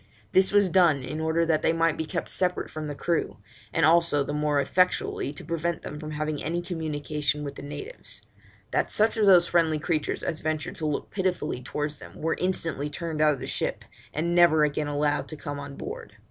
This was done in order that they might be kept separate from the crew, and also the more effectually to prevent them from having any communication with the natives; that such of those friendly creatures as ventured to look pitifully towards them were instantly turned out of the ship, and never again allowed to come on board.